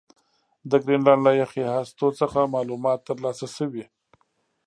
د ګرینلنډ له یخي هستو څخه معلومات ترلاسه شوي